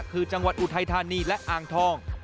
คือจังหวัดอุทัยธานีและอ่างทอง